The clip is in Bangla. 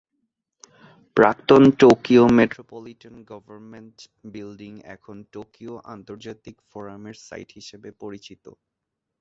প্রাক্তন টোকিও মেট্রোপলিটন গভর্নমেন্ট বিল্ডিং এখন টোকিও আন্তর্জাতিক ফোরামের সাইট হিসাবে পরিচিত।